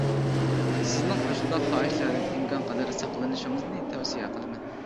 سىزنىڭ ئاشۇنداق خاھىشلاردىن ئىمكانقەدەر ساقلىنىشىڭىزنى تەۋسىيە قىلىمەن.